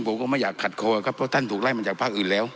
ผมก็ไม่อยากขัดคอครับเพราะท่านถูกไล่มาจากภาคอื่นแล้ว